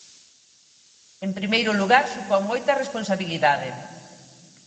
En primeiro lugar supón moita responsabilidade.